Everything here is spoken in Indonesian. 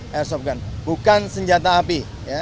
airsoft gun bukan senjata api